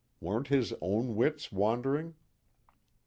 Weren't his own wits wandering?